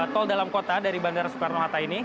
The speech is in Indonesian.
tol dalam kota dari bandara soekarno hatta ini